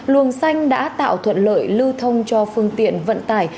luồng xanh đã tạo thuận lợi lưu thông cho phương tiện vận tải